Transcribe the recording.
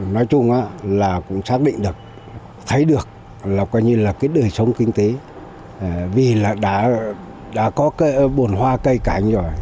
nói chung là cũng xác định được thấy được là coi như là cái đời sống kinh tế vì là đã có cái bồn hoa cây cảnh rồi